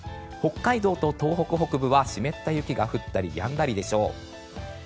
北海道と東北北部は湿った雪が降ったりやんだりでしょう。